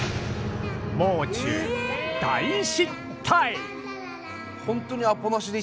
もう中大失態！